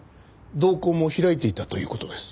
瞳孔も開いていたという事です。